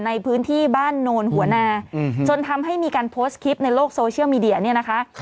ในพื้นที่บ้านโนนหัวนาจนทำให้มีการโพสต์คลิปในโลกโซเชียลมีเดียเนี่ยนะคะ